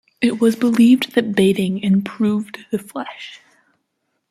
It was believed that baiting improved the flesh.